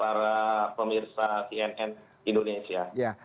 para pemirsa tnn indonesia